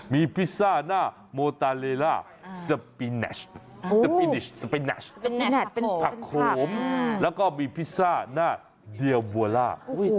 มีพิซซ่าหน้าโหมวตาเลล่าสปิแนซผักโขมและก็มีพิซซ่าหน้าเดียววัล่า